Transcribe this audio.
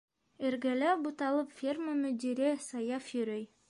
Эргәлә буталып ферма мөдире Саяф йөрөй: